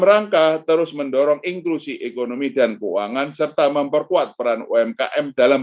rangka terus mendorong inklusi ekonomi dan keuangan serta memperkuat peran umkm dalam